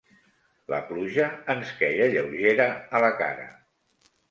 La pluja ens queia, lleugera, a la cara.